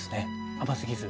甘すぎず。